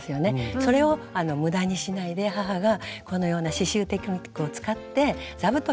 それを無駄にしないで母がこのような刺しゅうテクニックを使って座布団に仕上げてくれたんですね。